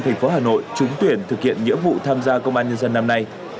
thành phố hà nội trúng tuyển thực hiện nhiệm vụ tham gia công an nhân dân năm nay